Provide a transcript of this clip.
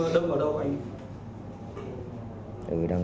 đông ở đâu anh